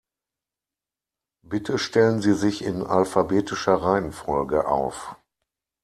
Bitte stellen Sie sich in alphabetischer Reihenfolge auf.